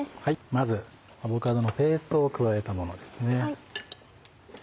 まずアボカドのペーストを加えたものですね。